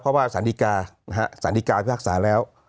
เพราะว่าสารดีกานะฮะสารดีกาพิพากษาแล้ว